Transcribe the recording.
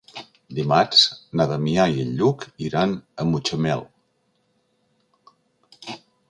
Dimarts na Damià i en Lluc iran a Mutxamel.